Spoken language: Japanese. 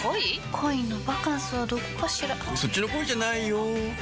恋のバカンスはどこかしらそっちの恋じゃないよ